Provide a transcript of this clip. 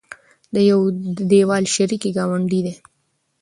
د يو دېول شریکې ګاونډۍ دي